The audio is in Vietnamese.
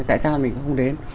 tại sao mình cũng không đến